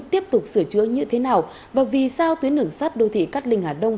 tiếp tục sửa chữa như thế nào và vì sao tuyến nửa sát đô thị cát linh hà đông